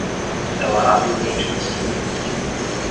Ela habilmente destruiu o brinquedo.